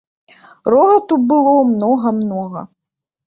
Рогату было многа, многа!